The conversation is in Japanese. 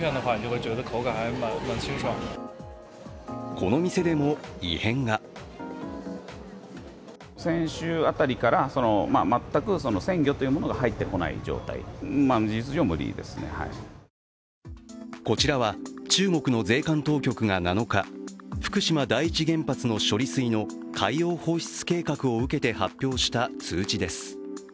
この店でも異変がこちらは、中国の税関当局が７日、福島第一原発の処理水の海洋放出計画を受けて発表した通知です。